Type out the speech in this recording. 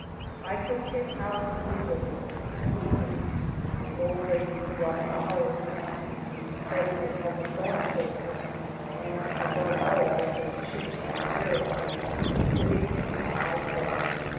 I could pick out easily the Deacon, the Old Lady Who Brought Flowers, the President of the Sewing Circle, and, above all, the Chief Pharisee, sitting in his high place.